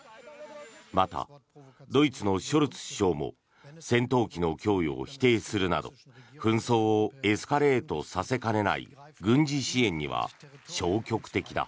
また、ドイツのショルツ首相も戦闘機の供与を否定するなど紛争をエスカレートさせかねない軍事支援には消極的だ。